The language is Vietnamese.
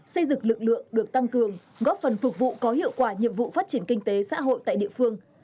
xây dựng lực lượng được tăng cường góp phần phục vụ có hiệu quả nhiệm vụ phát triển kinh tế xã hội tại địa phương